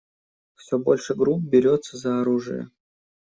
Все больше групп берется за оружие.